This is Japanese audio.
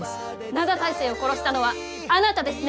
灘大聖を殺したのはあなたですね？